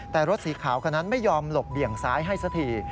แต่รถสีขาวคนนั้นไม่ยอมหลบเบี่ยงซ้ายให้สักที